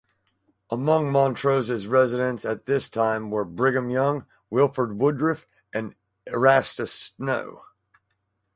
Among Montrose's residents at this time were Brigham Young, Wilford Woodruff and Erastus Snow.